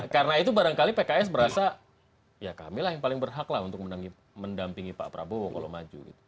karena itu barangkali pks berasa ya kamilah yang paling berhak untuk mendampingi pak prabowo kalau maju